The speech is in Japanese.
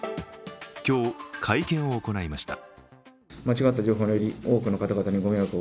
今日、会見を行いました。